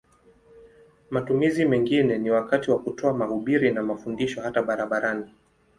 Matumizi mengine ni wakati wa kutoa mahubiri na mafundisho hata barabarani.